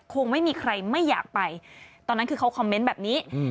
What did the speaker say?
คงไม่มีใครไม่อยากไปตอนนั้นคือเขาคอมเมนต์แบบนี้